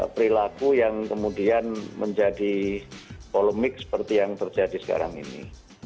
perilaku yang kemudian menjadi polemik seperti yang terjadi sekarang ini